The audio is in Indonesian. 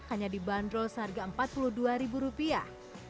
hanya dibanderol seharga empat puluh dua ribu rupiah